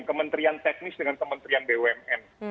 kementerian teknis dengan kementerian bumn